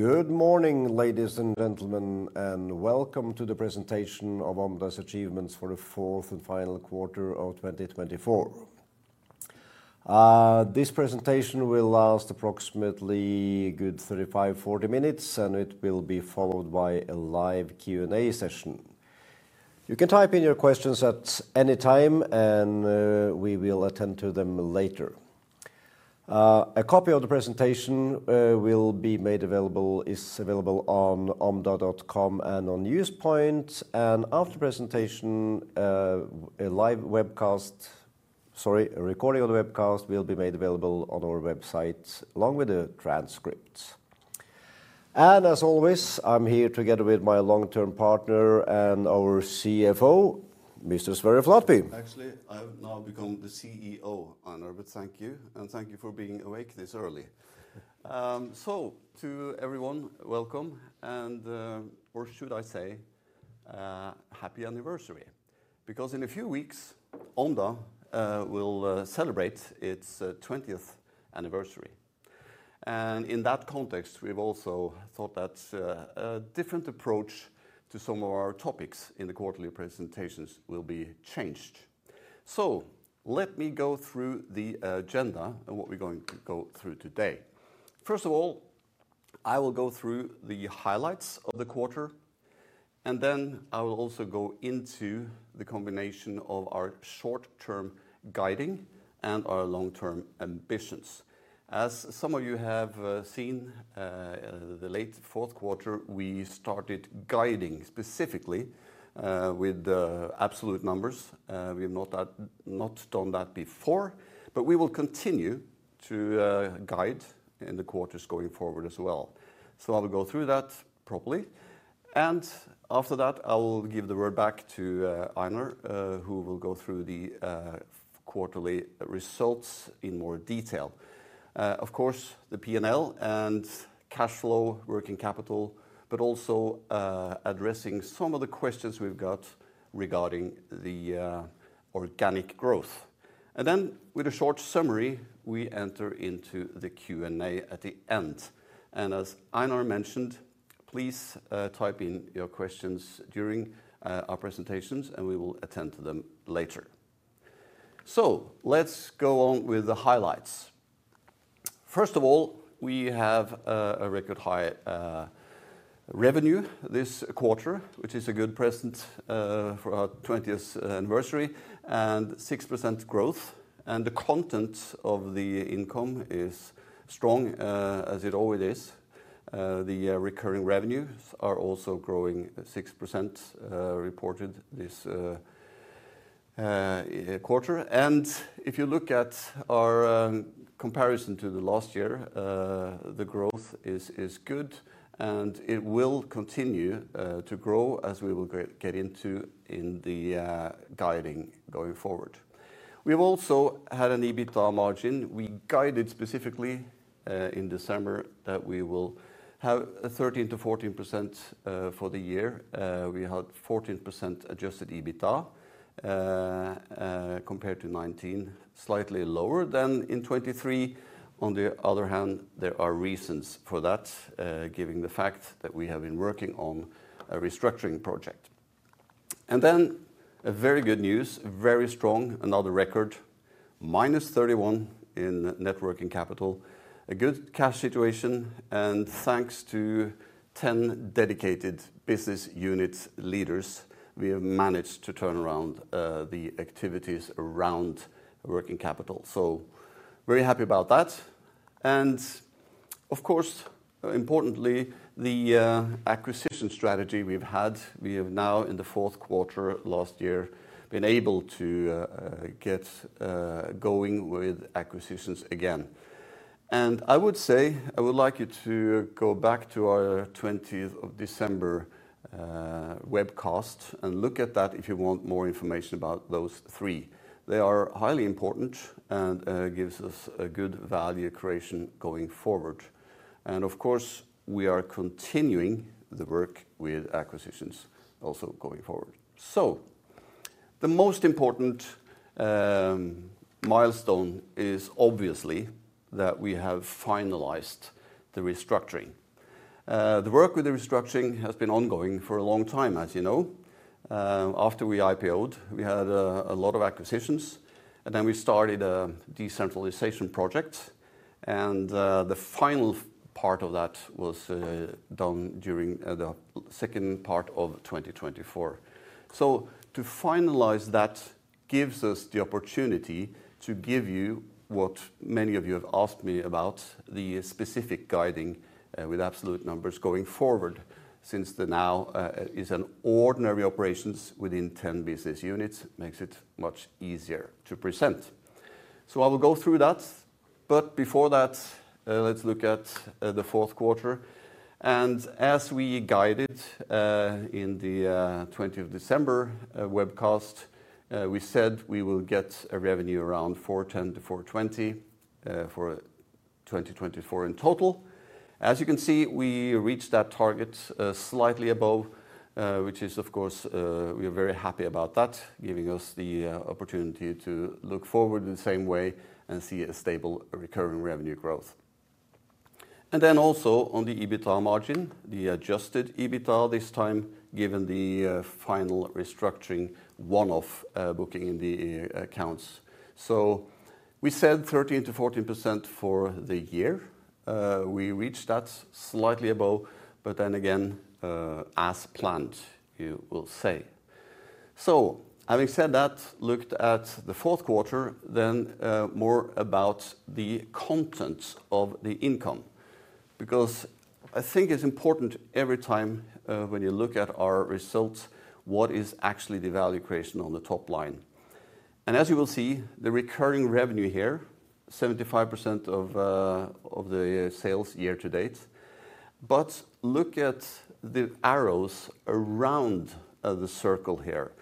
Good morning, ladies and gentlemen, and welcome to the presentation of Omda's achievements for the fourth and final quarter of 2024. This presentation will last approximately a good 35-40 minutes, and it will be followed by a live Q&A session. You can type in your questions at any time, and we will attend to them later. A copy of the presentation is available on omda.com and on Newspoint, and after the presentation, a live webcast, sorry, a recording of the webcast, will be made available on our website, along with a transcript. As always, I'm here together with my long-term partner and our CFO, Mr. Sverre Flatby. Actually, I've now become the CEO, Einar, but thank you, and thank you for being awake this early. To everyone, welcome, or should I say, happy anniversary, because in a few weeks, Omda will celebrate its 20th anniversary. In that context, we've also thought that a different approach to some of our topics in the quarterly presentations will be changed. Let me go through the agenda and what we're going to go through today. First of all, I will go through the highlights of the quarter, and then I will also go into the combination of our short-term guiding and our long-term ambitions. As some of you have seen, the late fourth quarter, we started guiding specifically with absolute numbers. We have not done that before, but we will continue to guide in the quarters going forward as well. I will go through that properly, and after that, I will give the word back to Einar, who will go through the quarterly results in more detail. Of course, the P&L and cash flow, working capital, but also addressing some of the questions we've got regarding the organic growth. With a short summary, we enter into the Q&A at the end. As Einar mentioned, please type in your questions during our presentations, and we will attend to them later. Let's go on with the highlights. First of all, we have a record high revenue this quarter, which is a good present for our 20th anniversary, and 6% growth. The content of the income is strong, as it always is. The recurring revenues are also growing 6% reported this quarter. If you look at our comparison to the last year, the growth is good, and it will continue to grow as we will get into in the guiding going forward. We have also had an EBITDA margin. We guided specifically in December that we will have 13%-14% for the year. We had 14% adjusted EBITDA compared to 19%, slightly lower than in 2023. On the other hand, there are reasons for that, given the fact that we have been working on a restructuring project. Very good news, very strong, another record, minus 31% in net working capital, a good cash situation, and thanks to 10 dedicated business unit leaders, we have managed to turn around the activities around working capital. Very happy about that. Of course, importantly, the acquisition strategy we've had, we have now, in the fourth quarter last year, been able to get going with acquisitions again. I would say, I would like you to go back to our 20th of December webcast and look at that if you want more information about those three. They are highly important and give us good value creation going forward. We are continuing the work with acquisitions also going forward. The most important milestone is obviously that we have finalized the restructuring. The work with the restructuring has been ongoing for a long time, as you know. After we IPOed, we had a lot of acquisitions, and then we started a decentralization project, and the final part of that was done during the second part of 2024. To finalize, that gives us the opportunity to give you what many of you have asked me about, the specific guiding with absolute numbers going forward, since now it is an ordinary operations within 10 business units, makes it much easier to present. I will go through that, but before that, let's look at the fourth quarter. As we guided in the 20th of December webcast, we said we will get a revenue around 410 million-420 million for 2024 in total. As you can see, we reached that target slightly above, which is, of course, we are very happy about that, giving us the opportunity to look forward in the same way and see a stable recurring revenue growth. Also on the EBITDA margin, the adjusted EBITDA this time, given the final restructuring one-off booking in the accounts. We said 13% to 14% for the year. We reached that slightly above, but then again, as planned, you will say. Having said that, looked at the fourth quarter, then more about the content of the income, because I think it's important every time when you look at our results, what is actually the value creation on the top line. As you will see, the recurring revenue here, 75% of the sales year to date, but look at the arrows around the circle here.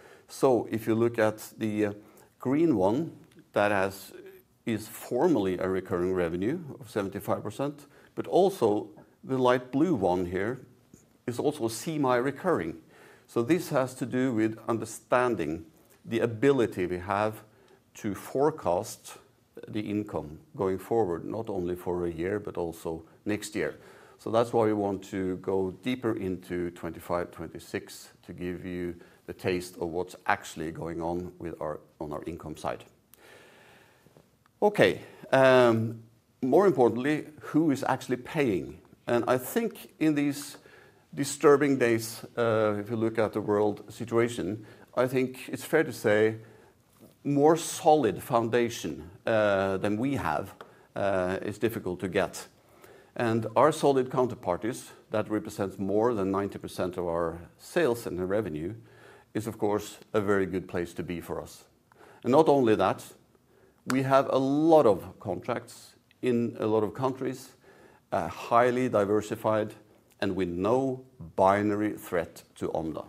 If you look at the green one, that is formally a recurring revenue of 75%, but also the light blue one here is also semi-recurring. This has to do with understanding the ability we have to forecast the income going forward, not only for a year, but also next year. That is why we want to go deeper into 2025-2026 to give you the taste of what is actually going on on our income side. Okay, more importantly, who is actually paying? I think in these disturbing days, if you look at the world situation, I think it is fair to say more solid foundation than we have is difficult to get. Our solid counterparties that represent more than 90% of our sales and revenue is, of course, a very good place to be for us. Not only that, we have a lot of contracts in a lot of countries, highly diversified, and with no binary threat to Omda.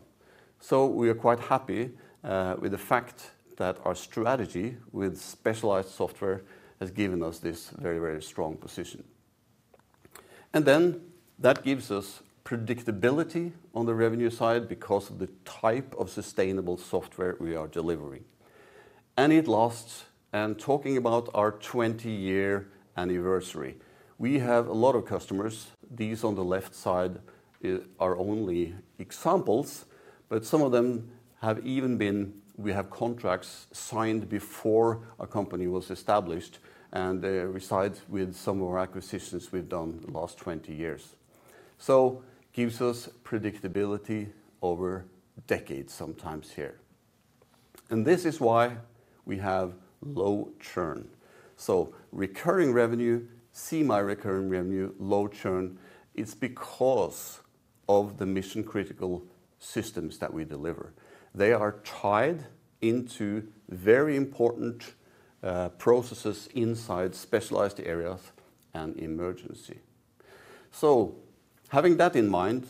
We are quite happy with the fact that our strategy with specialized software has given us this very, very strong position. That gives us predictability on the revenue side because of the type of sustainable software we are delivering. It lasts. Talking about our 20-year anniversary, we have a lot of customers. These on the left side are only examples, but some of them have even been—we have contracts signed before our company was established, and we side with some of our acquisitions we have done the last 20 years. It gives us predictability over decades sometimes here. This is why we have low churn. Recurring revenue, semi-recurring revenue, low churn, it is because of the mission-critical systems that we deliver. They are tied into very important processes inside specialized areas and emergency. Having that in mind,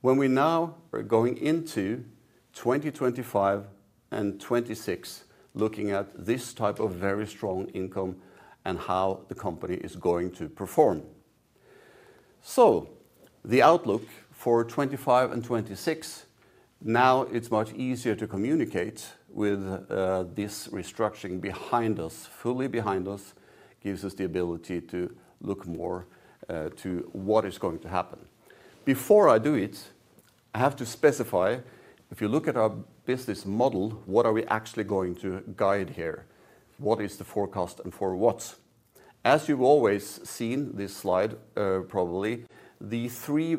when we now are going into 2025 and 2026, looking at this type of very strong income and how the company is going to perform. The outlook for 2025 and 2026, now it's much easier to communicate with this restructuring behind us, fully behind us, gives us the ability to look more to what is going to happen. Before I do it, I have to specify, if you look at our business model, what are we actually going to guide here? What is the forecast and for what? As you've always seen this slide, probably, the three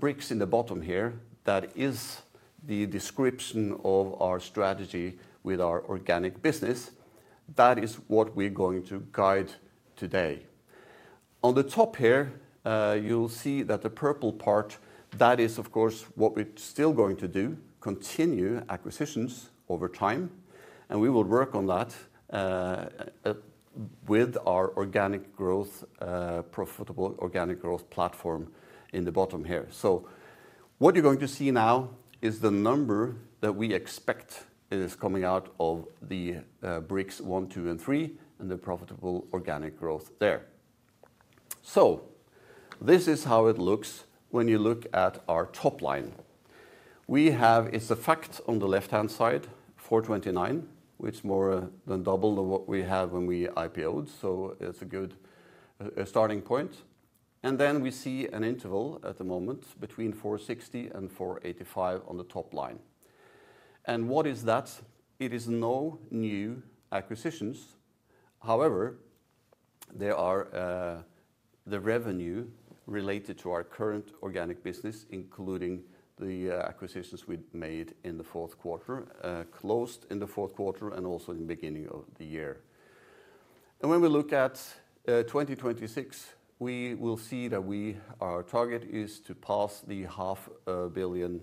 bricks in the bottom here, that is the description of our strategy with our organic business. That is what we're going to guide today. On the top here, you'll see that the purple part, that is, of course, what we're still going to do, continue acquisitions over time, and we will work on that with our organic growth, profitable organic growth platform in the bottom here. What you're going to see now is the number that we expect is coming out of the bricks one, two, and three, and the profitable organic growth there. This is how it looks when you look at our top line. We have a fact on the left-hand side, 429 million, which is more than double than what we had when we IPOed, so it's a good starting point. We see an interval at the moment between 460 million-485 million on the top line. What is that? It is no new acquisitions. However, there are the revenue related to our current organic business, including the acquisitions we made in the fourth quarter, closed in the fourth quarter, and also in the beginning of the year. When we look at 2026, we will see that our target is to pass the 500,000,000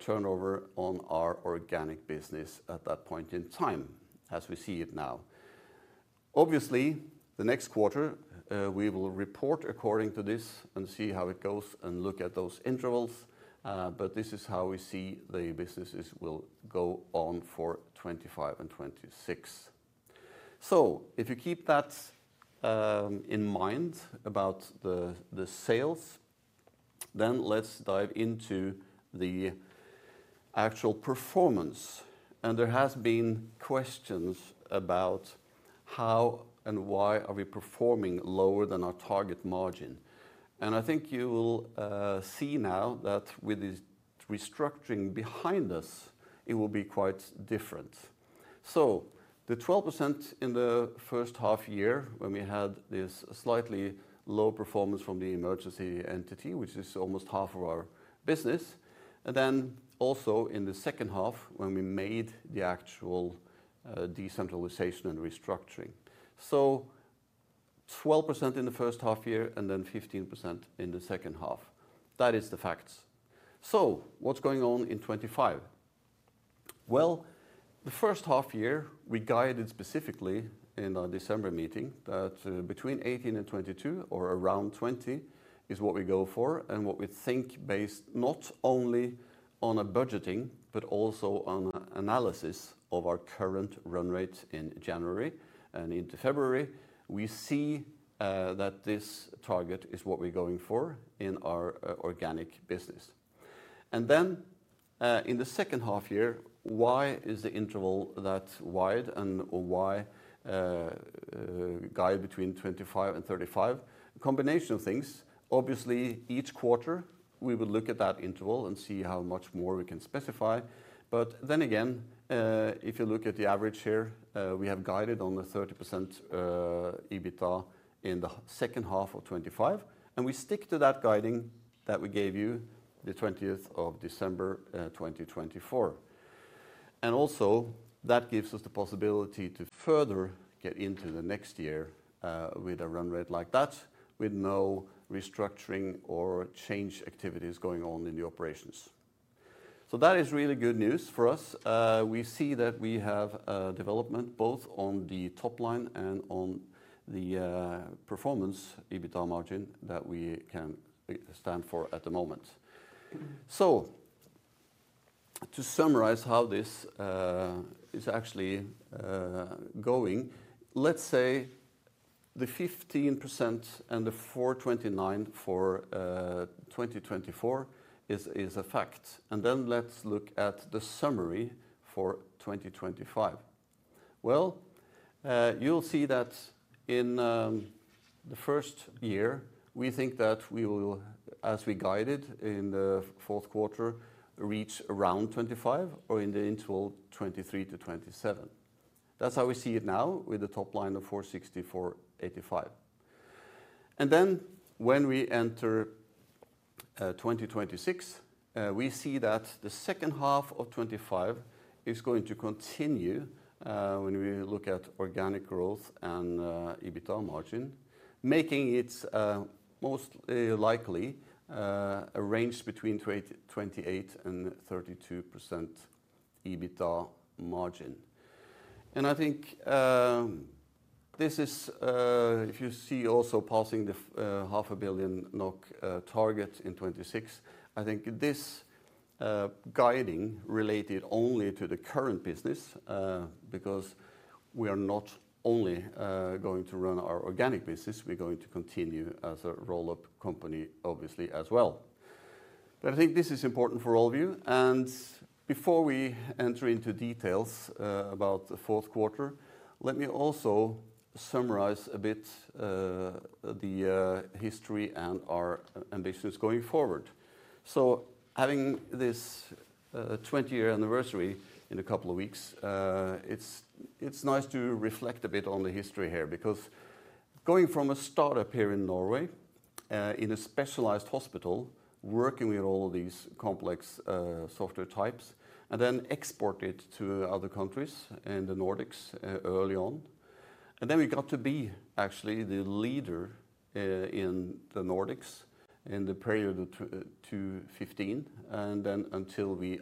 turnover on our organic business at that point in time, as we see it now. Obviously, the next quarter, we will report according to this and see how it goes and look at those intervals. This is how we see the businesses will go on for 2025 and 2026. If you keep that in mind about the sales, let's dive into the actual performance. There have been questions about how and why we are performing lower than our target margin. I think you will see now that with this restructuring behind us, it will be quite different. The 12% in the first half year when we had this slightly low performance from the emergency entity, which is almost half of our business, and then also in the second half when we made the actual decentralization and restructuring. Twelve percent in the first half year and then 15% in the second half. That is the facts. What's going on in 2025? The first half year, we guided specifically in our December meeting that between 18% and 22%, or around 20%, is what we go for and what we think based not only on budgeting, but also on an analysis of our current run rate in January and into February, we see that this target is what we're going for in our organic business. In the second half year, why is the interval that wide and why guide between 25% and 35%? Combination of things. Obviously, each quarter, we would look at that interval and see how much more we can specify. If you look at the average here, we have guided on the 30% EBITDA in the second half of 2025, and we stick to that guiding that we gave you the 20th of December 2024. Also, that gives us the possibility to further get into the next year with a run rate like that, with no restructuring or change activities going on in the operations. That is really good news for us. We see that we have development both on the top line and on the performance EBITDA margin that we can stand for at the moment. To summarize how this is actually going, let's say the 15% and the 429 for 2024 is a fact. Let us look at the summary for 2025. You will see that in the first year, we think that we will, as we guided in the fourth quarter, reach around 25 or in the interval 23-27. That is how we see it now with the top line of 460 million-485 million. When we enter 2026, we see that the second half of 2025 is going to continue when we look at organic growth and EBITDA margin, making it most likely a range between 28%-32% EBITDA margin. I think this is, if you see also passing the half a billion NOK target in 2026, I think this guiding is related only to the current business because we are not only going to run our organic business, we are going to continue as a roll-up company, obviously, as well. I think this is important for all of you. Before we enter into details about the fourth quarter, let me also summarize a bit the history and our ambitions going forward. Having this 20-year anniversary in a couple of weeks, it's nice to reflect a bit on the history here because going from a startup here in Norway in a specialized hospital, working with all these complex software types, and then exported to other countries in the Nordics early on. We got to be actually the leader in the Nordics in the period of 2015 and then until we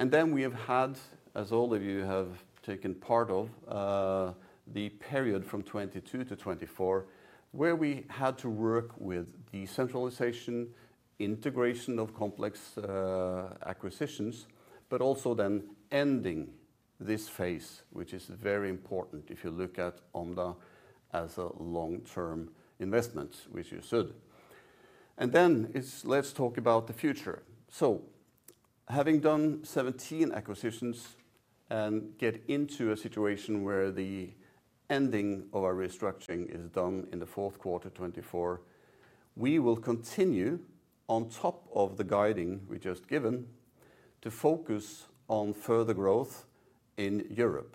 IPOed. We have had, as all of you have taken part of, the period from 2022 to 2024 where we had to work with decentralization, integration of complex acquisitions, but also then ending this phase, which is very important if you look at Omda as a long-term investment, which you should. Let's talk about the future. Having done 17 acquisitions and get into a situation where the ending of our restructuring is done in the fourth quarter 2024, we will continue on top of the guiding we just given to focus on further growth in Europe.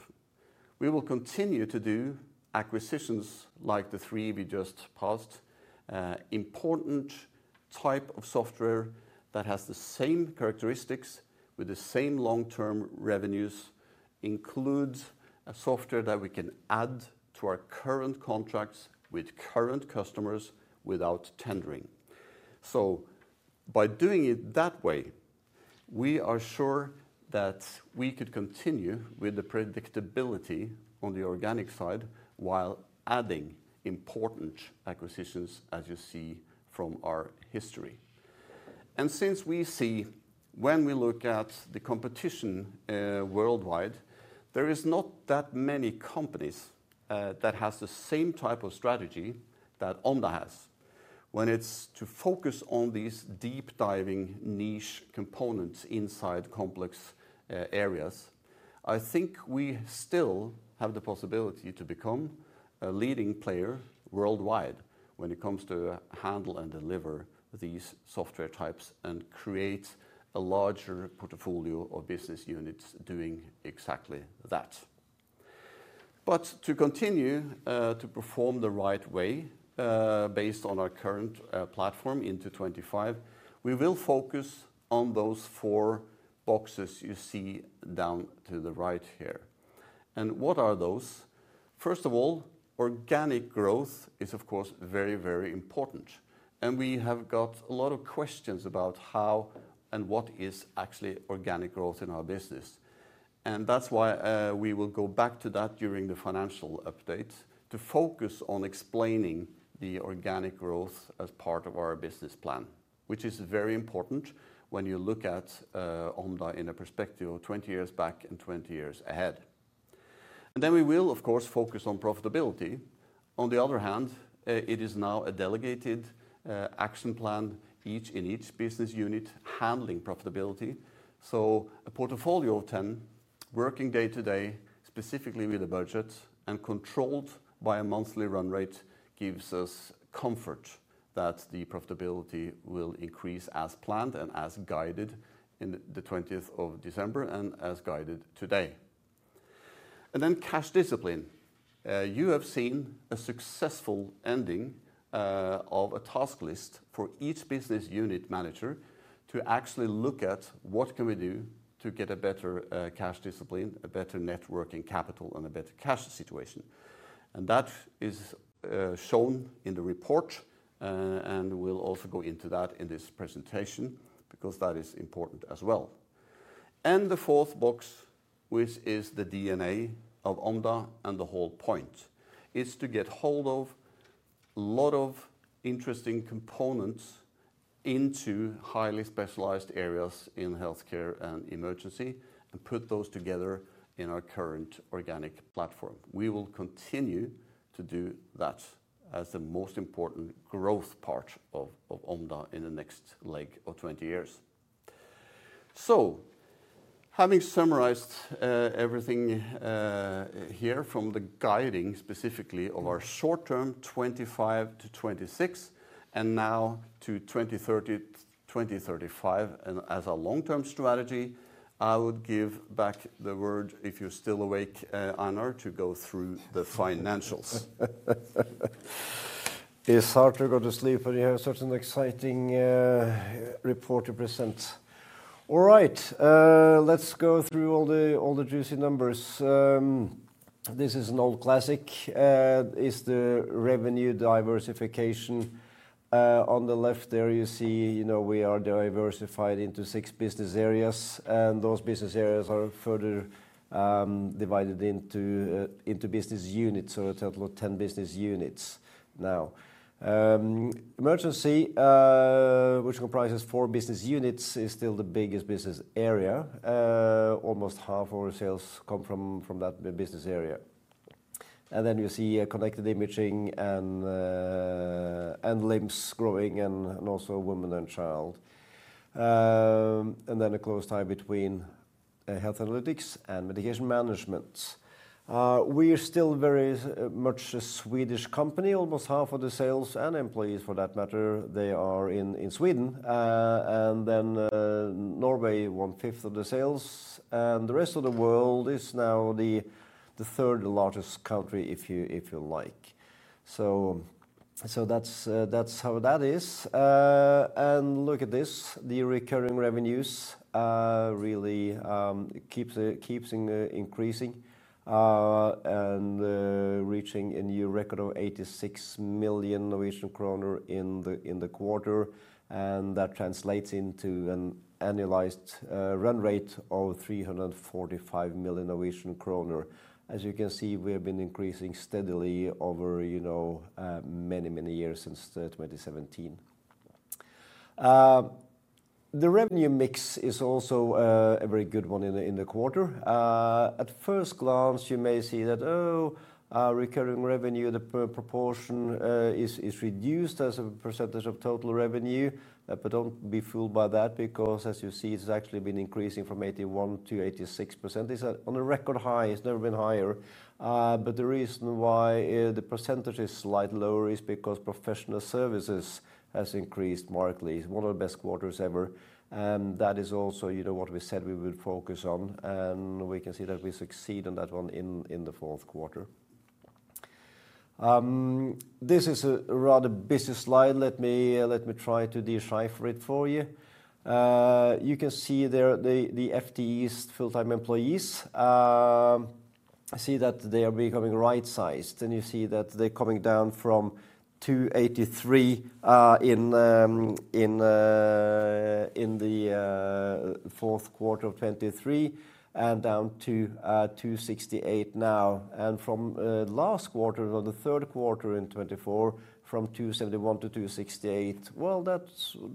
We will continue to do acquisitions like the three we just passed, important type of software that has the same characteristics with the same long-term revenues, includes software that we can add to our current contracts with current customers without tendering. By doing it that way, we are sure that we could continue with the predictability on the organic side while adding important acquisitions, as you see from our history. Since we see, when we look at the competition worldwide, there are not that many companies that have the same type of strategy that Omda has. When it's to focus on these deep-diving niche components inside complex areas, I think we still have the possibility to become a leading player worldwide when it comes to handle and deliver these software types and create a larger portfolio of business units doing exactly that. To continue to perform the right way based on our current platform into 2025, we will focus on those four boxes you see down to the right here. What are those? First of all, organic growth is, of course, very, very important. We have got a lot of questions about how and what is actually organic growth in our business. That is why we will go back to that during the financial update to focus on explaining the organic growth as part of our business plan, which is very important when you look at Omda in a perspective of 20 years back and 20 years ahead. We will, of course, focus on profitability. On the other hand, it is now a delegated action plan in each business unit handling profitability. A portfolio of 10, working day-to-day specifically with a budget and controlled by a monthly run rate, gives us comfort that the profitability will increase as planned and as guided in the 20th of December and as guided today. Then cash discipline. You have seen a successful ending of a task list for each business unit manager to actually look at what can we do to get a better cash discipline, a better net working capital, and a better cash situation. That is shown in the report, and we'll also go into that in this presentation because that is important as well. The fourth box, which is the DNA of Omda and the whole point, is to get hold of a lot of interesting components into highly specialized areas in healthcare and emergency and put those together in our current organic platform. We will continue to do that as the most important growth part of Omda in the next leg of 20 years. Having summarized everything here from the guiding specifically of our short-term 2025 to 2026 and now to 2030 to 2035 and as a long-term strategy, I would give back the word if you're still awake, Einar, to go through the financials. It's hard to go to sleep when you have such an exciting report to present. All right, let's go through all the juicy numbers. This is an old classic. It's the revenue diversification. On the left there, you see we are diversified into six business areas, and those business areas are further divided into business units, so a total of 10 business units now. Emergency, which comprises four business units, is still the biggest business area. Almost half of our sales come from that business area. You see Connected Imaging and Limbs growing and also Women and Child. There is a close tie between health analytics and medication management. We are still very much a Swedish company, almost half of the sales and employees, for that matter, are in Sweden. Norway accounts for one-fifth of the sales, and the rest of the world is now the third largest country, if you like. That is how that is. Look at this, the recurring revenues really keep increasing and reaching a new record of 86 million Norwegian kroner in the quarter, and that translates into an annualized run rate of 345 million Norwegian kroner. As you can see, we have been increasing steadily over many, many years since 2017. The revenue mix is also a very good one in the quarter. At first glance, you may see that, oh, recurring revenue, the proportion is reduced as a percentage of total revenue, but do not be fooled by that because, as you see, it has actually been increasing from 81% to 86%. It is on a record high. It has never been higher. The reason why the percentage is slightly lower is because professional services has increased markedly. It is one of the best quarters ever. That is also what we said we would focus on, and we can see that we succeed on that one in the fourth quarter. This is a rather busy slide. Let me try to decipher it for you. You can see there the FTEs, full-time employees. I see that they are becoming right-sized, and you see that they are coming down from 283 in the fourth quarter of 2023 and down to 268 now. From last quarter to the third quarter in 2024, from 271 to 268. That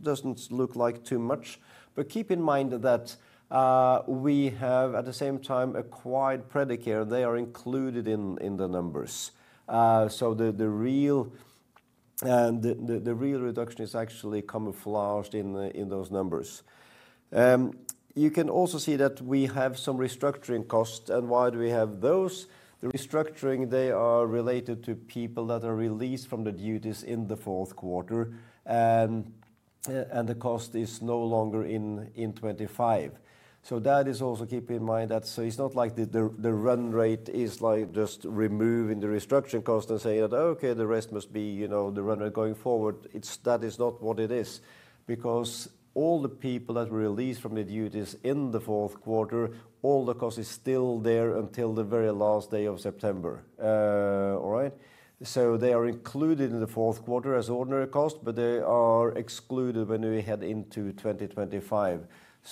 does not look like too much, but keep in mind that we have at the same time acquired Predicare. They are included in the numbers. The real reduction is actually camouflaged in those numbers. You can also see that we have some restructuring costs. Why do we have those? The restructuring, they are related to people that are released from the duties in the fourth quarter, and the cost is no longer in 2025. That is also keep in mind that it is not like the run rate is like just removing the restructuring cost and saying that, okay, the rest must be the run rate going forward. That is not what it is because all the people that were released from the duties in the fourth quarter, all the cost is still there until the very last day of September. All right? They are included in the fourth quarter as ordinary cost, but they are excluded when we head into 2025.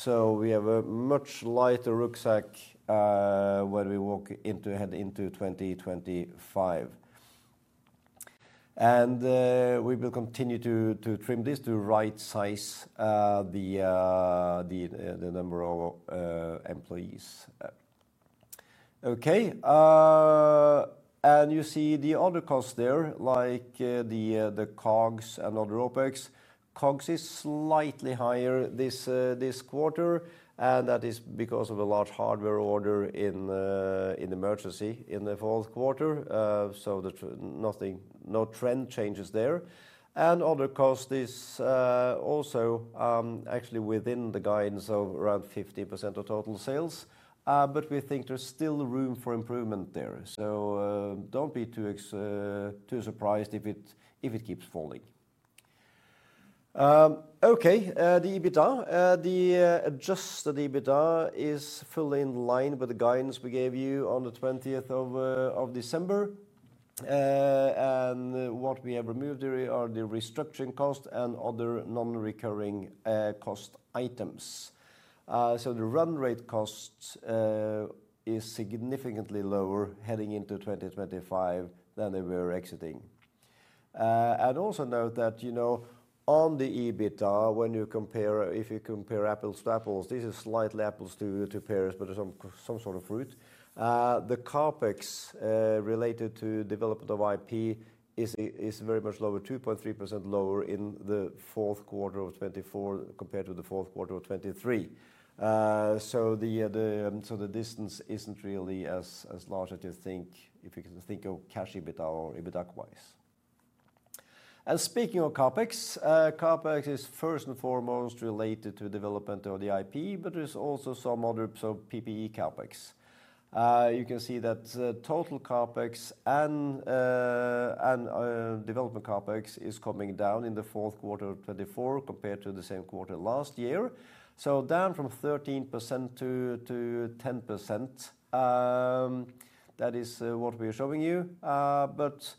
We have a much lighter rucksack when we walk into head into 2025. We will continue to trim this to right-size the number of employees. Okay. You see the other costs there, like the COGS and other OPEX. COGS is slightly higher this quarter, and that is because of a large hardware order in Emergency in the fourth quarter. No trend changes there. Other cost is also actually within the guidance of around 15% of total sales, but we think there is still room for improvement there. Do not be too surprised if it keeps falling. Okay, the EBITDA. The adjusted EBITDA is fully in line with the guidance we gave you on the 20th of December. What we have removed are the restructuring cost and other non-recurring cost items. The run rate cost is significantly lower heading into 2025 than they were exiting. Also note that on the EBITDA, when you compare, if you compare apples to apples, this is slightly apples to pears, but some sort of fruit. The CapEx related to development of IP is very much lower, 2.3% lower in the fourth quarter of 2024 compared to the fourth quarter of 2023. The distance is not really as large as you think if you think of cash EBITDA or EBITDA-wise. Speaking of CapEx, CapEx is first and foremost related to development of the IP, but there is also some other PPE CapEx. You can see that total CapEx and development CapEx is coming down in the fourth quarter of 2024 compared to the same quarter last year. Down from 13% to 10%. That is what we are showing you, but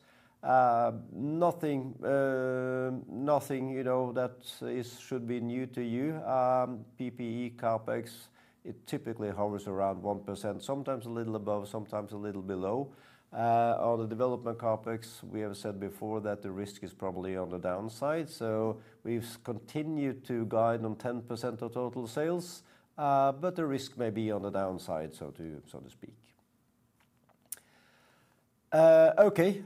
nothing that should be new to you. PPE CapEx typically hovers around 1%, sometimes a little above, sometimes a little below. On the development CapEx, we have said before that the risk is probably on the downside. We have continued to guide on 10% of total sales, but the risk may be on the downside, so to speak. Okay,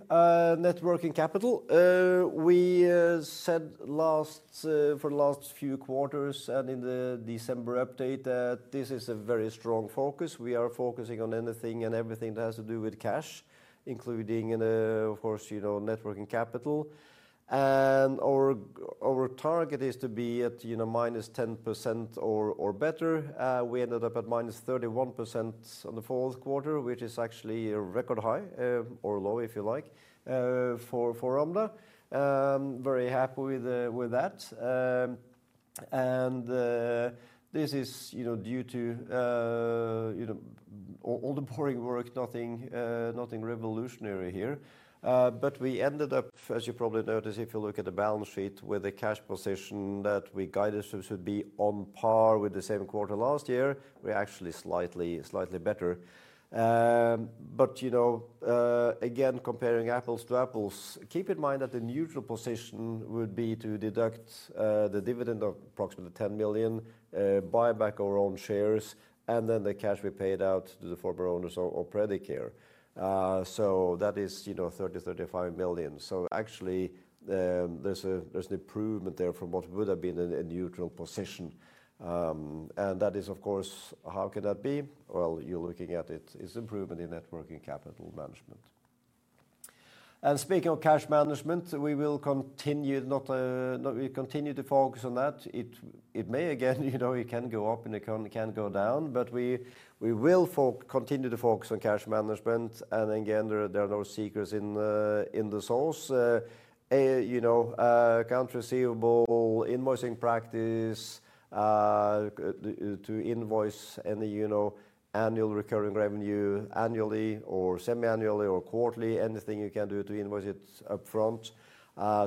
working capital. We said for the last few quarters and in the December update that this is a very strong focus. We are focusing on anything and everything that has to do with cash, including, of course, networking capital. Our target is to be at -10% or better. We ended up at -31% in the fourth quarter, which is actually a record high or low, if you like, for Omda. Very happy with that. This is due to all the ongoing work, nothing revolutionary here. We ended up, as you probably noticed, if you look at the balance sheet, with the cash position that we guided should be on par with the same quarter last year, actually slightly better. Again, comparing apples to apples, keep in mind that the neutral position would be to deduct the dividend of approximately 10 million, buy back our own shares, and then the cash we paid out to the former owners of Predicare. That is 30-35 million. Actually, there is an improvement there from what would have been a neutral position. That is, of course, how can that be? You are looking at it as improvement in networking capital management. Speaking of cash management, we will continue to focus on that. It may, again, it can go up and it can go down, but we will continue to focus on cash management. There are no secrets in the source. Counter-receivable invoicing practice to invoice any annual recurring revenue annually or semi-annually or quarterly, anything you can do to invoice it upfront.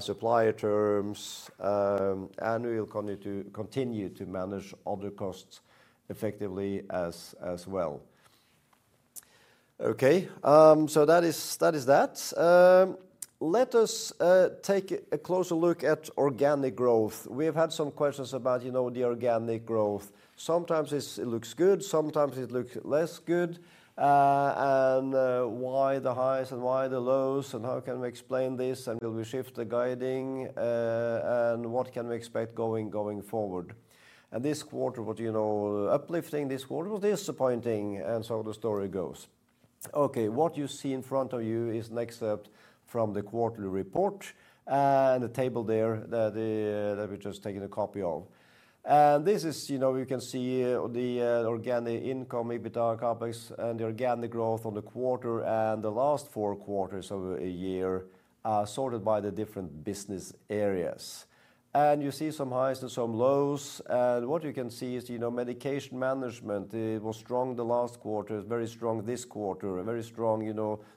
Supplier terms, and we will continue to manage other costs effectively as well. That is that. Let us take a closer look at organic growth. We have had some questions about the organic growth. Sometimes it looks good, sometimes it looks less good. Why the highs and why the lows, and how can we explain this, and will we shift the guiding, and what can we expect going forward? This quarter, you know, uplifting this quarter was disappointing, and so the story goes. What you see in front of you is the next step from the quarterly report and the table there that we're just taking a copy of. This is, you can see the organic income, EBITDA, OPEX, and the organic growth on the quarter and the last four quarters of a year sorted by the different business areas. You see some highs and some lows. What you can see is Medication Management was strong the last quarter, very strong this quarter, very strong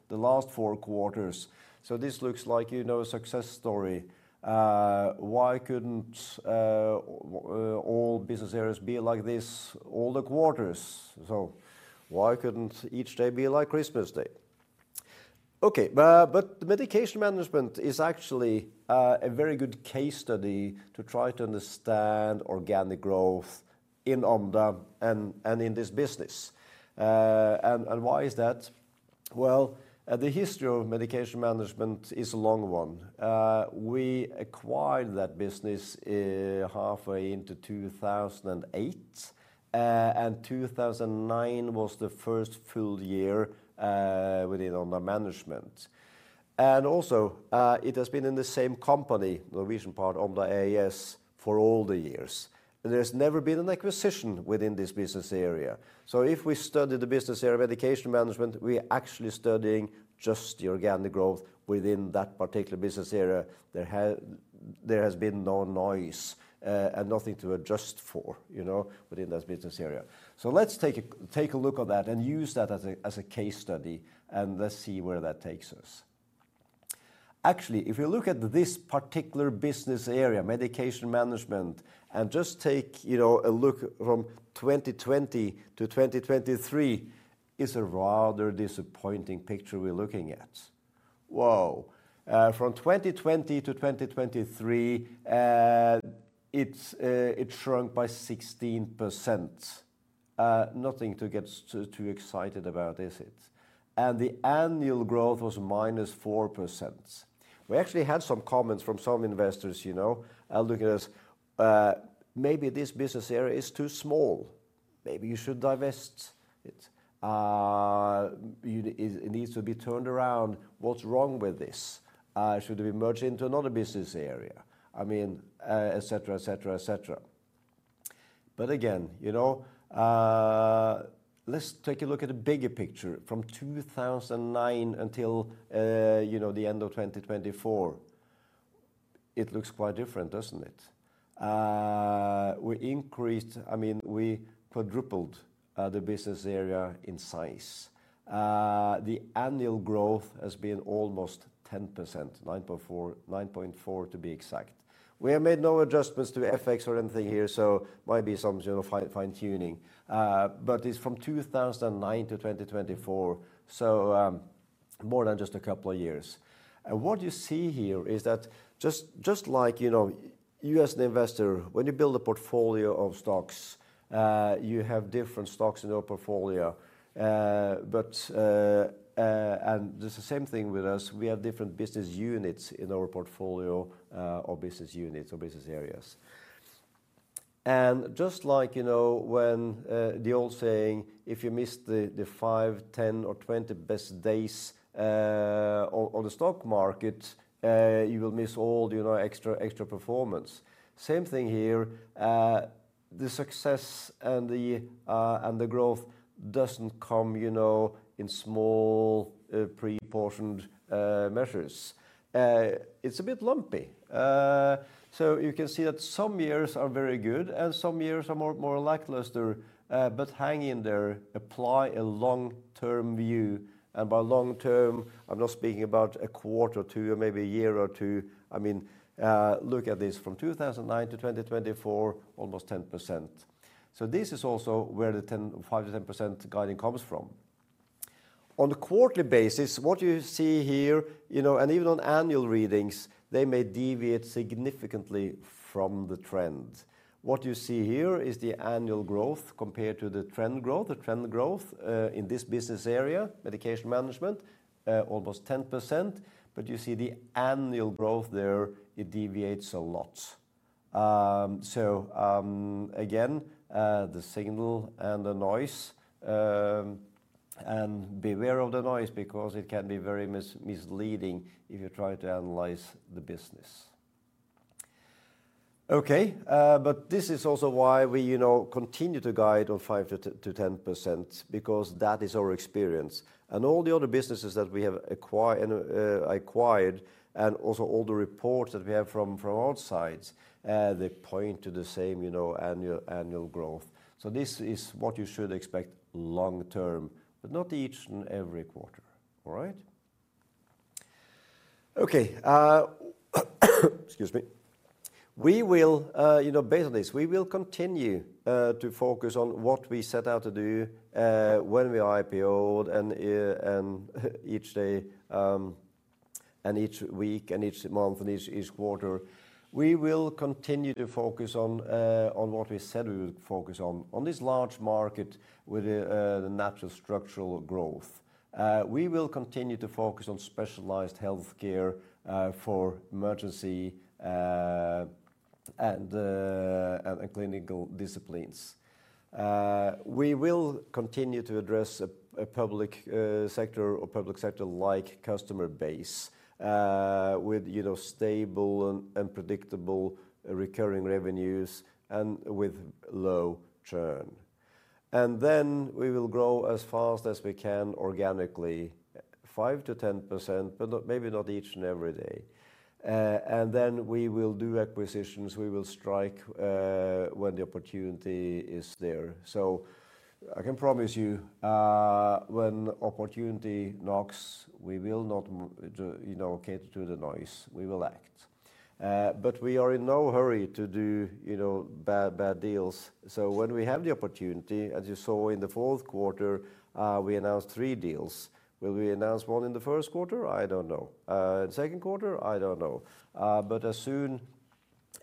the last four quarters. This looks like a success story. Why could not all business areas be like this all the quarters? Why could not each day be like Christmas Day? Okay, medication management is actually a very good case study to try to understand organic growth in Omda and in this business. Why is that? The history of medication management is a long one. We acquired that business halfway into 2008, and 2009 was the first full year within Omda management. It has been in the same company, Norwegian part, Omda AS for all the years. There has never been an acquisition within this business area. If we study the business area of medication management, we are actually studying just the organic growth within that particular business area. There has been no noise and nothing to adjust for within that business area. Let's take a look at that and use that as a case study, and let's see where that takes us. Actually, if you look at this particular business area, Medication Management, and just take a look from 2020 to 2023, it's a rather disappointing picture we're looking at. Wow. From 2020 to 2023, it shrunk by 16%. Nothing to get too excited about, is it? The annual growth was -4%. We actually had some comments from some investors, looking at us, maybe this business area is too small. Maybe you should divest it. It needs to be turned around. What's wrong with this? Should we merge into another business area? I mean, etc., etc., etc. Again, let's take a look at a bigger picture from 2009 until the end of 2024. It looks quite different, doesn't it? I mean, we quadrupled the business area in size. The annual growth has been almost 10%, 9.4% to be exact. We have made no adjustments to FX or anything here, so it might be some fine-tuning. It is from 2009 to 2024, so more than just a couple of years. What you see here is that just like you as an investor, when you build a portfolio of stocks, you have different stocks in your portfolio. It is the same thing with us. We have different business units in our portfolio or business units or business areas. Just like the old saying, if you miss the 5, 10, or 20 best days on the stock market, you will miss all the extra performance. Since the year, the success and the growth does not come in small, pre-portioned measures. It is a bit lumpy. You can see that some years are very good and some years are more lackluster, but hang in there, apply a long-term view. And by long-term, I'm not speaking about a quarter or two or maybe a year or two. I mean, look at this from 2009 to 2024, almost 10%. So this is also where the 5%-10% value comes from. On a quarterly basis, what you see here, and even on annual readings, they may deviate significantly from the trend. What you see here is the annual growth compared to the trend growth, the trend growth in this business area, medication management, almost 10%. But you see the annual growth there, it deviates a lot. Again, the signal and the noise, and beware of the noise because it can be very misleading if you try to analyze the business. Okay, but this is also why we continue to guide on 5%-10% because that is our experience. All the other businesses that we have acquired and also all the reports that we have from outside, they point to the same annual growth. This is what you should expect long-term, but not each and every quarter, all right? Okay. Excuse me. Based on this, we will continue to focus on what we set out to do when we IPO'd and each day and each week and each month and each quarter. We will continue to focus on what we said we would focus on, on this large market with natural structural growth. We will continue to focus on specialized healthcare for emergency and clinical disciplines. We will continue to address a public sector or public sector-like customer base with stable and predictable recurring revenues and with low churn. We will grow as fast as we can organically, 5%-10%, but maybe not each and every day. We will do acquisitions. We will strike when the opportunity is there. I can promise you, when opportunity knocks, we will not get to the noise. We will act. We are in no hurry to do bad deals. When we have the opportunity, as you saw in the fourth quarter, we announced three deals. Will we announce one in the first quarter? I don't know. In the second quarter? I don't know.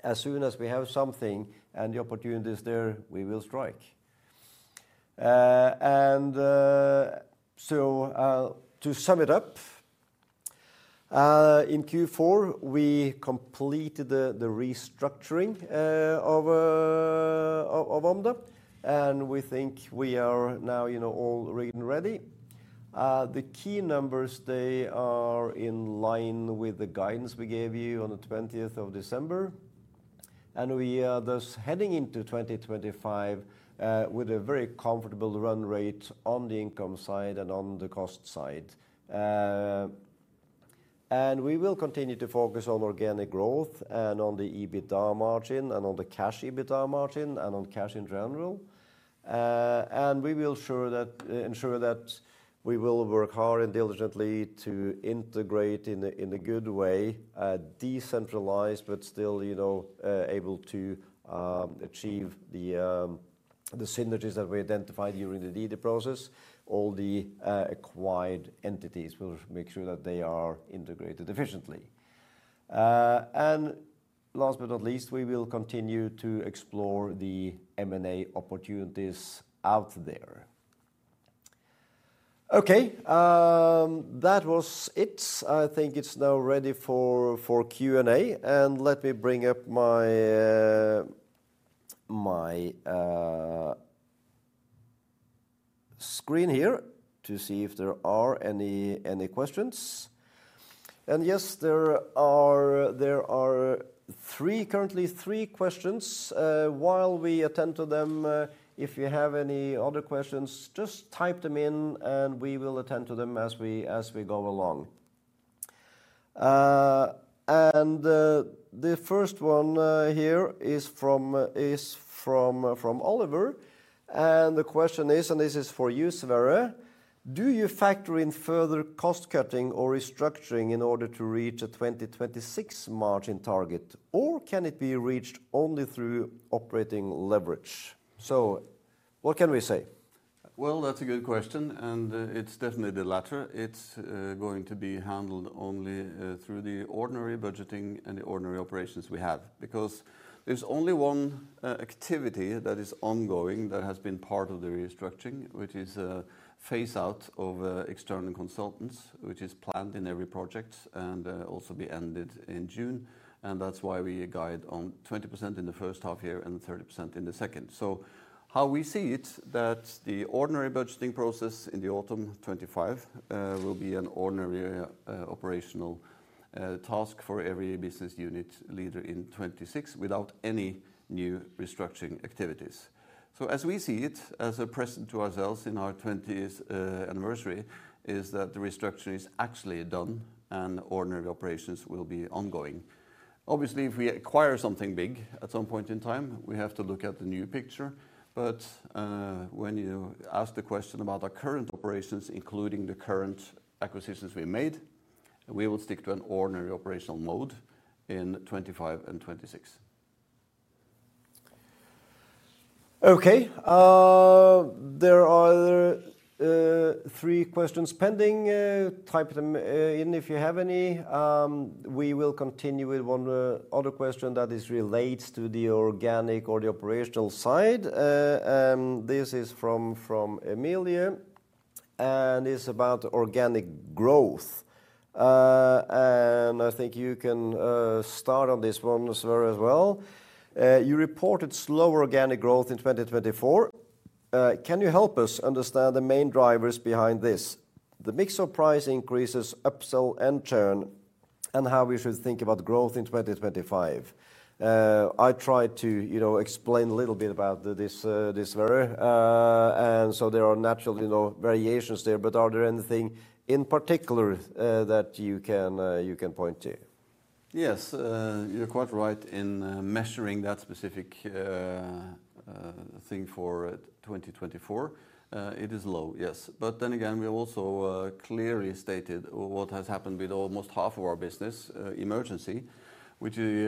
As soon as we have something and the opportunity is there, we will strike. To sum it up, in Q4, we completed the restructuring of Omda. We think we are now all ready and ready. The key numbers, they are in line with the guidance we gave you on the 20th of December. We are thus heading into 2025 with a very comfortable run rate on the income side and on the cost side. We will continue to focus on organic growth and on the EBITDA margin and on the cash EBITDA margin and on cash in general. We will ensure that we will work hard and diligently to integrate in a good way, decentralize, but still able to achieve the synergies that we identified during the deed process. All the acquired entities will make sure that they are integrated efficiently. Last but not least, we will continue to explore the M&A opportunities out there. Okay, that was it. I think it's now ready for Q&A. Let me bring up my screen here to see if there are any questions. Yes, there are currently three questions. While we attend to them, if you have any other questions, just type them in and we will attend to them as we go along. The first one here is from Oliver. The question is, and this is for you, Sverre, do you factor in further cost-cutting or restructuring in order to reach a 2026 margin target, or can it be reached only through operating leverage? What can we say? Well. That is a good question, and it is definitely the latter. It is going to be handled only through the ordinary budgeting and the ordinary operations we have because there is only one activity that is ongoing that has been part of the restructuring, which is phase-out of external consultants, which is planned in every project and also be ended in June. That is why we guide on 20% in the first half year and 30% in the second. How we see it, the ordinary budgeting process in the autumn 2025 will be an ordinary operational task for every business unit leader in 2026 without any new restructuring activities. As we see it, as a present to ourselves in our 20th anniversary, the restructuring is actually done and ordinary operations will be ongoing. Obviously, if we acquire something big at some point in time, we have to look at the new picture. When you ask the question about our current operations, including the current acquisitions we made, we will stick to an ordinary operational mode in 2025 and 2026. Okay. There are three questions pending. Type them in if you have any. We will continue with one other question that relates to the organic or the operational side. This is from Emilia, and it's about organic growth. I think you can start on this one, Sverre, as well. You reported slow organic growth in 2024. Can you help us understand the main drivers behind this? The mix of price increases, upsell, and churn, and how we should think about growth in 2025. I tried to explain a little bit about this earlier. There are naturally no variations there, but are there anything in particular that you can point to? Yes, you're quite right in measuring that specific thing for 2024. It is low, yes. Then again, we also clearly stated what has happened with almost half of our business Emergency, which we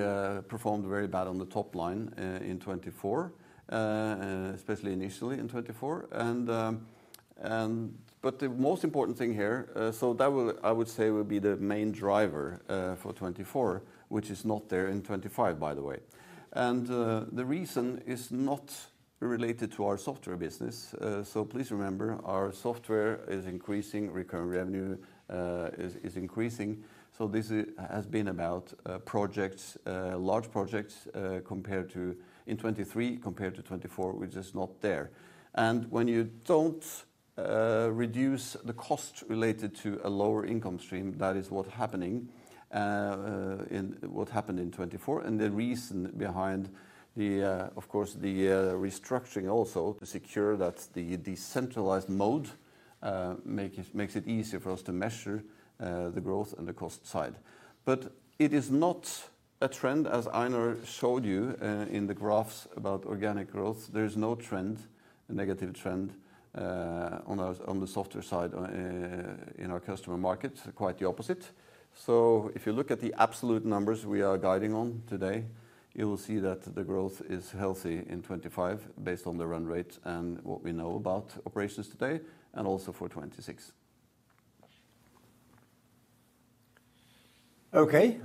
performed very bad on the top line in 2024, especially initially in 2024. The most important thing here, that I would say will be the main driver for 2024, which is not there in 2025, by the way. The reason is not related to our software business. Please remember, our software is increasing, recurring revenue is increasing. This has been about large projects in 2023 compared to 2024, which is not there. When you do not reduce the cost related to a lower income stream, that is what is happening in what happened in 2024. The reason behind, of course, the restructuring also is to secure that the decentralized mode makes it easier for us to measure the growth and the cost side. It is not a trend, as Einar showed you in the graphs about organic growth. There is no trend, a negative trend on the software side in our customer market, it's quite the opposite. If you look at the absolute numbers we are guiding on today, you will see that the growth is healthy in 2025 based on the run rate and what we know about operations today and also for 2026. Okay.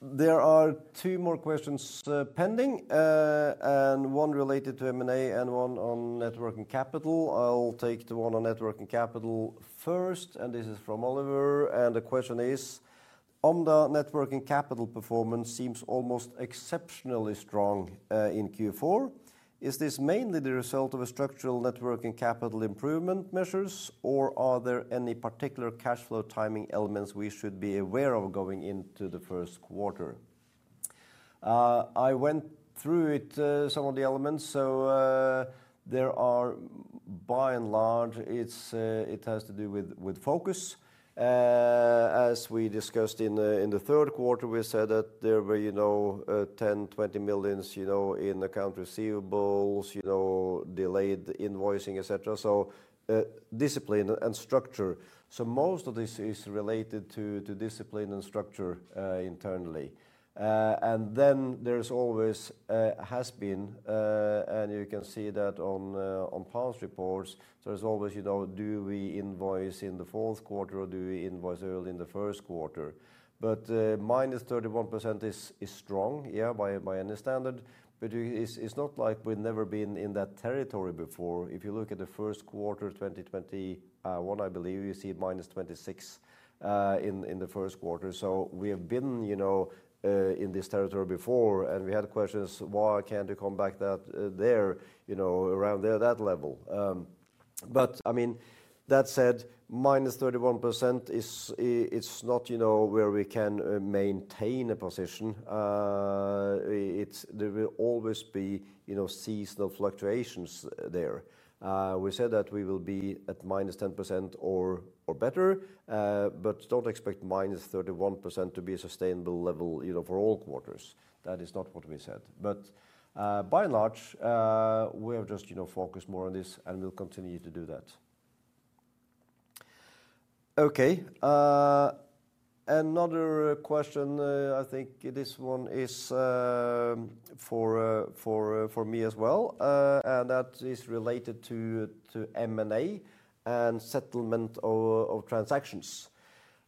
There are two more questions that are pending and one related to M&A and one on networking capital. I'll take the one on networking capital first. This is from Oliver. The question is, Omda networking capital performance seems almost exceptionally strong in Q4. Is this mainly the result of structural networking capital improvement measures, or are there any particular cash flow timing elements we should be aware of going into the first quarter? I went through some of the elements. By and large, it has to do with focus. As we discussed in the third quarter, we said that there were 10-20 million in account receivables, delayed invoicing, etc. Discipline and structure. Most of this is related to discipline and structure internally. There always has been, and you can see that on past reports, there is always, do we invoice in the fourth quarter or do we invoice early in the first quarter? -31% is strong, yeah, by any standard. It is not like we have never been in that territory before. If you look at the first quarter 2020, I believe you see -26% in the first quarter. We have been in this territory before, and we had questions, why cannot you come back there around that level? I mean, that said, -31%, it is not where we can maintain a position. There will always be seasonal fluctuations there. We said that we will be at minus 10% or better, but do not expect minus 31% to be a sustainable level for all quarters. That is not what we said. By and large, we have just focused more on this and we will continue to do that. Okay, another question, I think this one is for me as well. That is related to M&A and settlement of transactions.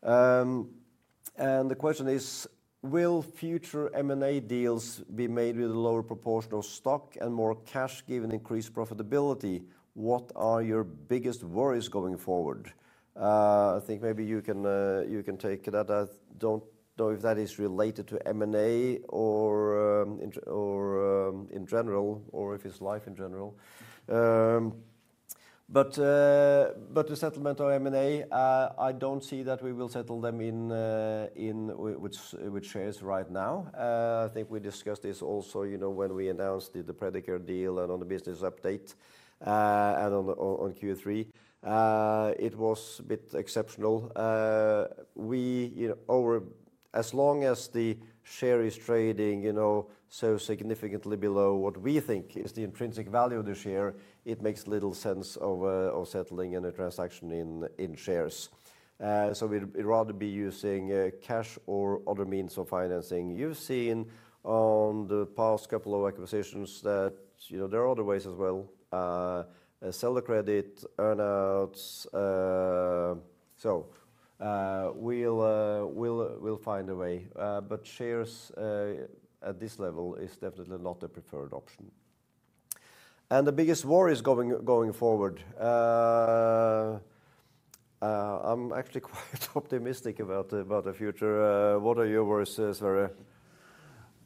The question is, will future M&A deals be made with a lower proportion of stock and more cash given increased profitability? What are your biggest worries going forward? I think maybe you can take that. I do not know if that is related to M&A or in general or if it is life in general. The settlement of M&A, I do not see that we will settle them with shares right now. I think we discussed this also when we announced the Predicare deal and on the business update and on Q3. It was a bit exceptional. As long as the share is trading so significantly below what we think is the intrinsic value of the share, it makes little sense of settling in a transaction in shares. We would rather be using cash or other means of financing. You have seen on the past couple of acquisitions that there are other ways as well, seller credit, earnouts. We will find a way. Shares at this level is definitely not the preferred option. The biggest worries going forward. I am actually quite optimistic about the future. What are your worries, Sverre?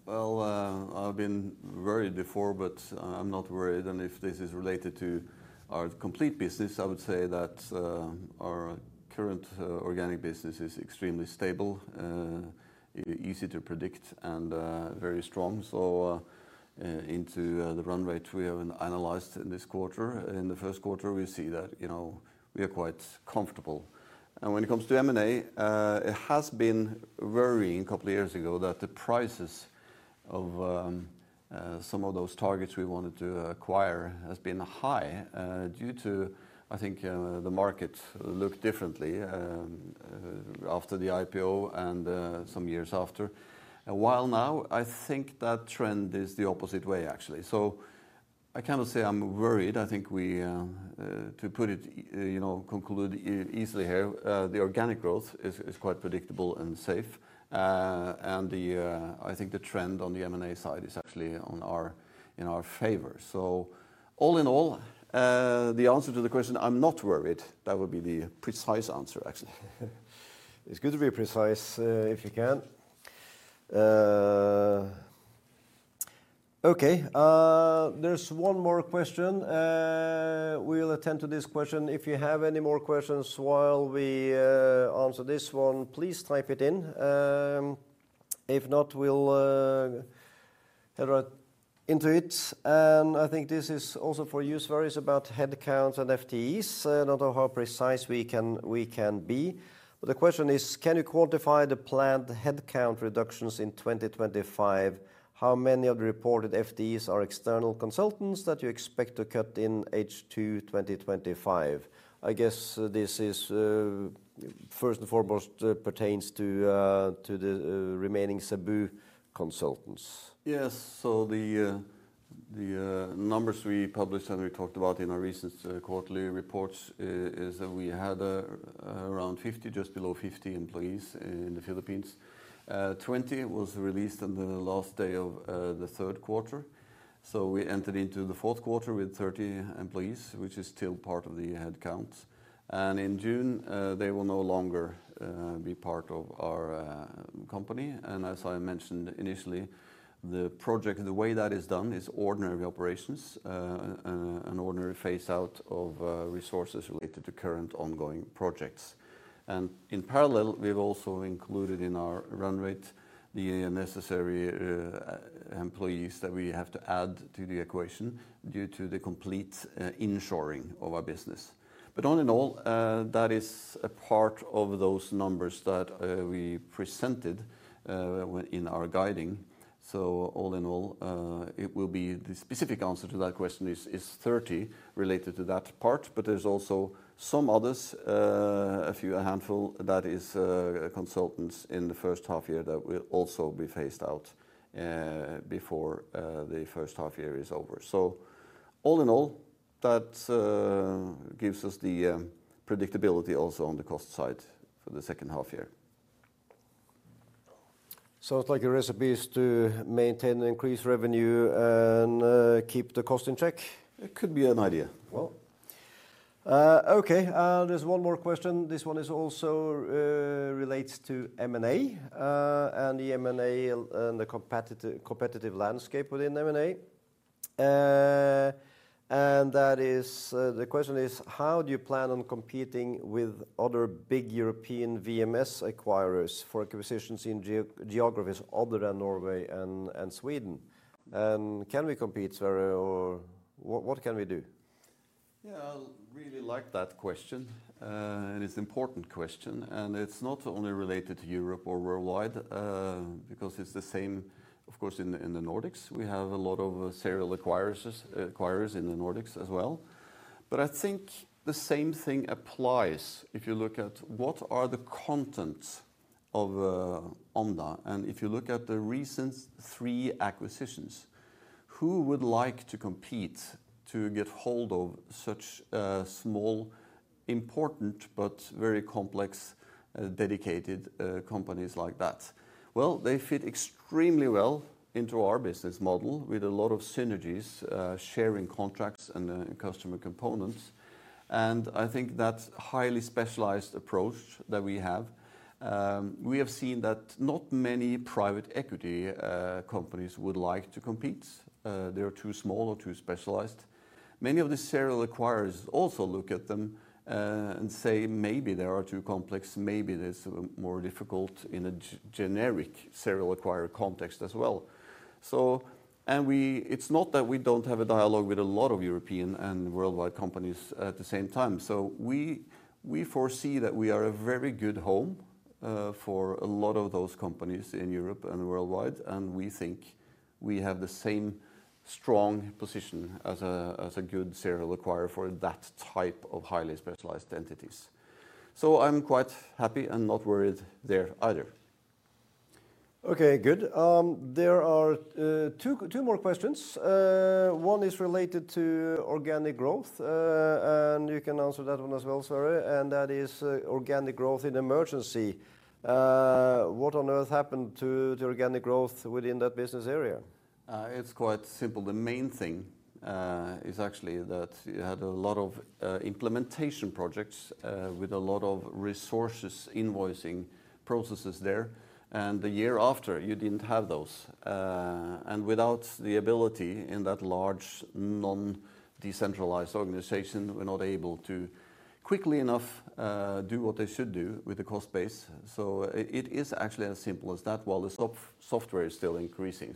Well. I have been worried before, but I am not worried. If this is related to our complete business, I would say that our current organic business is extremely stable, easy to predict, and very strong. Into the run rate we have analyzed in this quarter, in the first quarter, we see that we are quite comfortable. When it comes to M&A, it has been worrying a couple of years ago that the prices of some of those targets we wanted to acquire have been high due to, I think, the market looked differently after the IPO and some years after. While now, I think that trend is the opposite way, actually. I cannot say I'm worried. I think, to put it, conclude easily here, the organic growth is quite predictable and safe. I think the trend on the M&A side is actually in our favor. All in all, the answer to the question, I'm not worried, that would be the precise answer, actually. It's good to be precise if you can. Okay, there's one more question. We'll attend to this question. If you have any more questions while we answer this one, please type it in. If not, we'll head right into it. I think this is also for you, Sverre, it is about headcounts and FTEs. I don't know how precise we can be. The question is, can you quantify the planned headcount reductions in 2025? How many of the reported FTEs are external consultants that you expect to cut in H2 2025? I guess this is, first and foremost, pertains to the remaining SABU consultants. Yes, so the numbers we published and we talked about in our recent quarterly reports is that we had around 50, just below 50 employees in the Philippines. 20 was released on the last day of the third quarter. We entered into the fourth quarter with 30 employees, which is still part of the headcount. In June, they will no longer be part of our company. As I mentioned initially, the project, the way that is done, is ordinary operations and ordinary phase-out of resources related to current ongoing projects. In parallel, we've also included in our run rate the necessary employees that we have to add to the equation due to the complete insuring of our business. All in all, that is a part of those numbers that we presented in our guiding. All in all, the specific answer to that question is 30 related to that part, but there's also some others, a few, a handful that is consultants in the first half year that will also be phased out before the first half year is over. All in all, that gives us the predictability also on the cost side for the second half year. It's like a recipe is to maintain increased revenue and keep the cost in check? It could be an idea, well. Okay, there's one more question. This one also relates to M&A and the M&A and the competitive landscape within M&A. The question is, how do you plan on competing with other big European VMS acquirers for acquisitions in geographies other than Norway and Sweden? Can we compete, Sverre, or what can we do? Yeah, I really like that question. It's an important question. It's not only related to Europe or worldwide because it's the same, of course, in the Nordics. We have a lot of serial acquirers in the Nordics as well. I think the same thing applies if you look at what are the contents of Omda. If you look at the recent three acquisitions, who would like to compete to get hold of such small, important, but very complex dedicated companies like that? They fit extremely well into our business model with a lot of synergies, sharing contracts and customer components. I think that highly specialized approach that we have, we have seen that not many private equity companies would like to compete. They are too small or too specialized. Many of the serial acquirers also look at them and say, maybe they are too complex, maybe there's more difficult in a generic serial acquirer context as well. It is not that we do not have a dialogue with a lot of European and worldwide companies at the same time. We foresee that we are a very good home for a lot of those companies in Europe and worldwide. We think we have the same strong position as a good serial acquirer for that type of highly specialized entities. I am quite happy and not worried there either. Okay, good. There are two more questions. One is related to organic growth. You can answer that one as well, Sverre. That is organic growth in Emergency. What on earth happened to organic growth within that business area? It is quite simple. The main thing is actually that you had a lot of implementation projects with a lot of resources invoicing processes there. The year after, you didn't have those. Without the ability in that large non-decentralized organization, we're not able to quickly enough do what they should do with the cost base. It is actually as simple as that while the software is still increasing.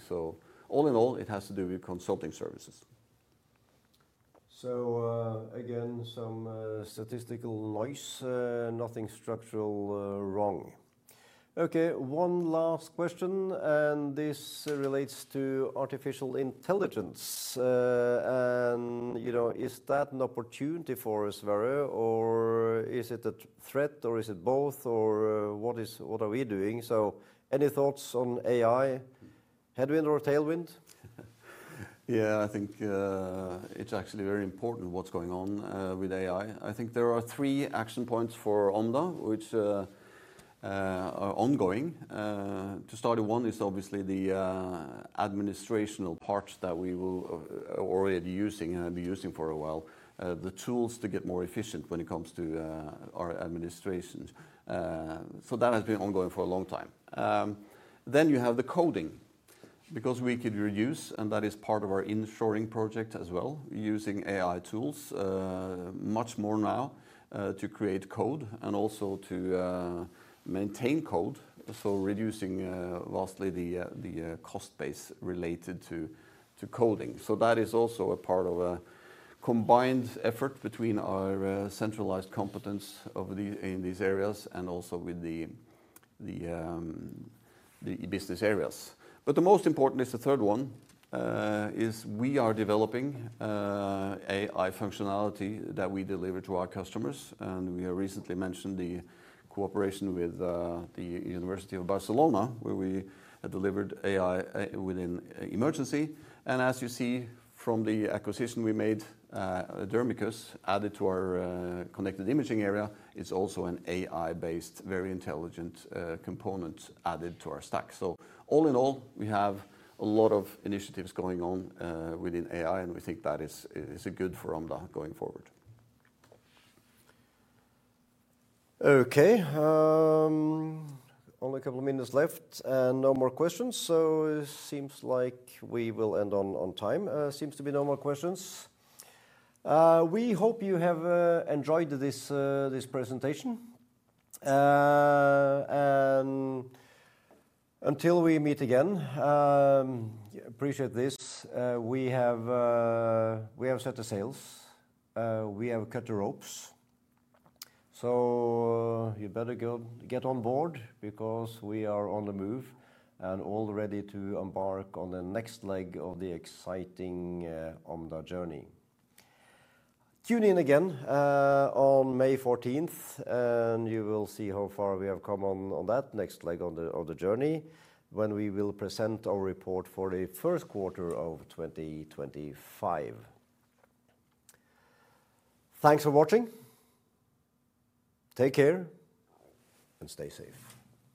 All in all, it has to do with consulting services. Again, some statistical noise, nothing structural wrong. Okay, one last question. This relates to artificial intelligence. Is that an opportunity for us, Sverre, or is it a threat, or is it both, or what are we doing? Any thoughts on AI, headwind or tailwind? Yeah, I think it's actually very important what's going on with AI. I think there are three action points for Omda, which are ongoing. To start, one is obviously the administrational parts that we were already using and have been using for a while, the tools to get more efficient when it comes to our administration. That has been ongoing for a long time. You have the coding because we could reduce, and that is part of our insuring project as well, using AI tools much more now to create code and also to maintain code. Reducing vastly the cost base related to coding. That is also a part of a combined effort between our centralized competence in these areas and also with the business areas. The most important is the third one is we are developing AI functionality that we deliver to our customers. We have recently mentioned the cooperation with the University of Barcelona, where we have delivered AI within emergency. As you see from the acquisition we made, Dermicus added to our Connected Imaging area, it is also an AI-based, very intelligent component added to our stack. All in all, we have a lot of initiatives going on within AI, and we think that is good for Omda going forward. Okay. Only a couple of minutes left and no more questions. It seems like we will end on time. Seems to be no more questions. We hope you have enjoyed this presentation. Until we meet again. Appreciate this. We have set the sails. We have cut the ropes. You better get on board because we are on the move and all ready to embark on the next leg of the exciting Omda journey. Tune in again on May 14th, and you will see how far we have come on that next leg of the journey when we will present our report for the first quarter of 2025. Thanks for watching. Take care and stay safe.